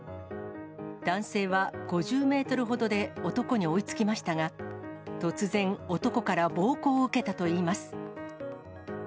男性は、５０メートルほどで男に追いつきましたが、突然、男から暴行を受けたといいます。